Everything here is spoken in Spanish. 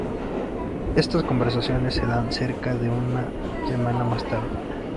Estas conversaciones se dan cerca de una semana más tarde.